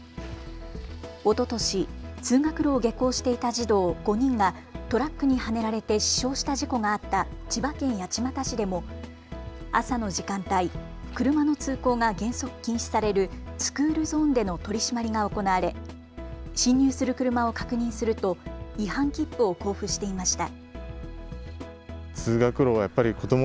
おととし、通学路を下校していた児童５人がトラックにはねられて死傷した事故があった千葉県八街市でも朝の時間帯、車の通行が原則、禁止されるスクールゾーンでの取締りが行われ進入する車を確認すると違反切符を交付していました。